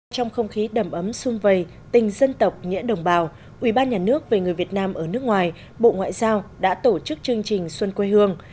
trong không khí đầm ấm sung vầy tình dân tộc nghĩa đồng bào ubnd về người việt nam ở nước ngoài bộ ngoại giao đã tổ chức chương trình xuân quê hương